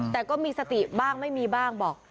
แต่ก็มีสติบ้างไม่มีบ้างบอก